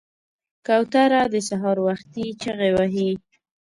کوتره د سهار وختي چغې وهي.